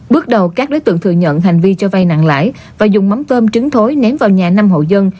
bước đầu các đối tượng thừa nhận hành vi cho vay nặng lãi và dùng mắm tôm trứng thối ném vào nhà năm hộ dân